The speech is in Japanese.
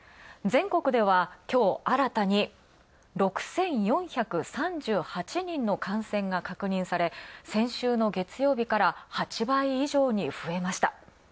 全国では、きょう新たに６４３８人の感染が確認され先週の月曜日から８倍以上に増えました。